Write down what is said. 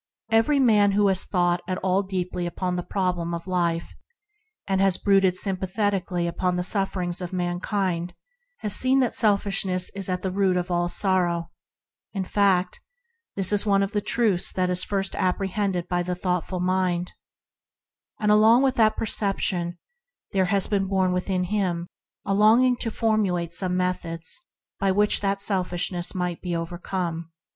Every man COMPETITIVE LAWS AND LAW OF LOVE 27 who has thought deeply upon the problem of life, and meditated sympa thetically upon the sufferings of mankind, has seen that selfishness is at the root of all sorrow — in fact, this is one of the truths first apprehended by the thoughtful mind. Along with this perception there has been born within him a longing to formulate some method by which such selfishness might be overcome.